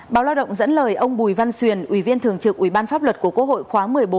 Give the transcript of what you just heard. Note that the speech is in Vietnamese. báo lao động dẫn lời ông bùi văn xuyền ủy viên thường trực ủy ban pháp luật của quốc hội khóa một mươi bốn